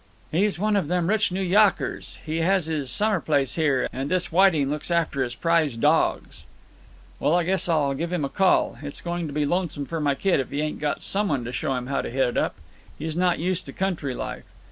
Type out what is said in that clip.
"He's one of them rich New Yawkers. He has his summer place here, and this Whiting looks after his prize dawgs." "Well, I guess I'll give him a call. It's going to be lonesome for my kid if he ain't got some one to show him how to hit it up. He's not used to country life.